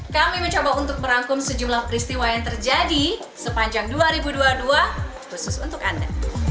kami mencoba untuk merangkum sejumlah peristiwa yang terjadi sepanjang dua ribu dua puluh dua khusus untuk anda